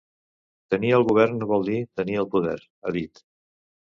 Tenir el govern no vol dir tenir el poder, ha dit.